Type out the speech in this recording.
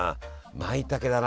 まいたけだな。